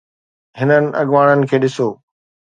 هنن اڳواڻن کي ڏسو.